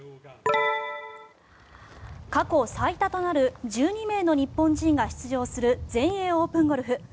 過去最多となる１２名の日本人が出場する全英オープンゴルフ。